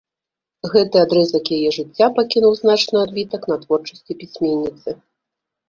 Гэты адрэзак яе жыцця пакінуў значны адбітак на творчасці пісьменніцы.